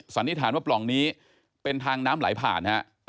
สันนิษฐานว่าปล่องนี้เป็นทางน้ำไหลผ่านฮะ